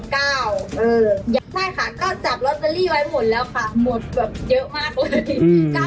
ใช่ค่ะก็จับลอตเตอรี่ไว้หมดแล้วค่ะหมดแบบเยอะมากเลย